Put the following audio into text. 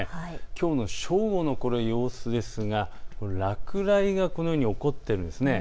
きょうの正午の様子ですが落雷がこのように起こっています。